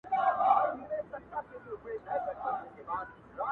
ستا خالونه مي ياديږي ورځ تېرېږي.